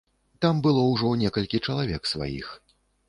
Там было ўжо некалькі чалавек сваіх.